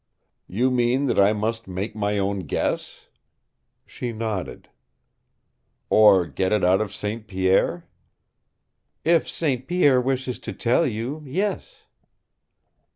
"You mean that I must make my own guess?" She nodded. "Or get it out of St. Pierre?" "If St. Pierre wishes to tell you, yes."